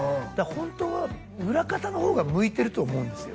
本当は裏方の方が向いてると思うんですよ